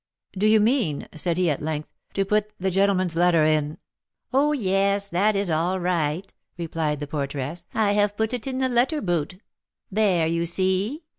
"Do you mean," said he at length, "to put the gentleman's letter in " "Oh, yes, that is all right," replied the porteress. "I have put it in the letter boot, there, you see.